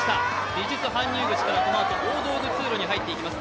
美術搬入口から大道具通路に入っていきます。